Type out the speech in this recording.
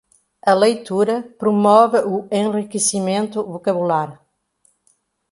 A leitura promove o enriquecimento vocabular